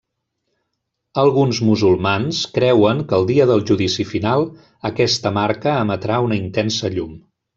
Alguns musulmans creuen que el Dia del Judici Final aquesta marca emetrà una intensa llum.